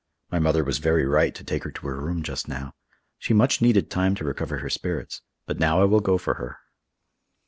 My mother was very right to take her to her room just now. She much needed time to recover her spirits; but now I will go for her."